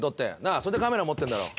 それでカメラ持ってんだろ？